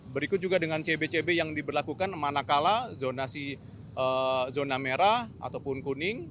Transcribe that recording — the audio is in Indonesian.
berikut juga dengan cbcb yang diberlakukan mana kalah zona merah ataupun kuning